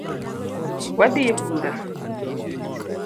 Wadhi ebura